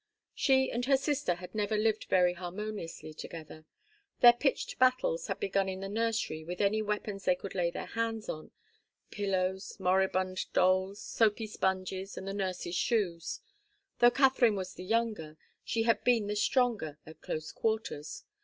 She and her sister had never lived very harmoniously together. Their pitched battles had begun in the nursery with any weapons they could lay hands on, pillows, moribund dolls, soapy sponges, and the nurse's shoes. Though Katharine was the younger, she had soon been the stronger at close quarters.